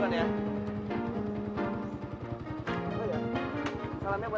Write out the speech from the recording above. seandainya abang lo nggak jemput